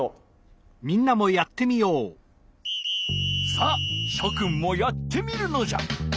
さあしょくんもやってみるのじゃ！